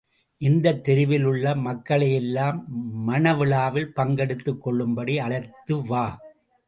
இந்தத் தெருவில் உள்ள மக்களையெல்லாம், மணவிழாவில் பங்கெடுத்துக் கொள்ளும்படி அழைத்து வா!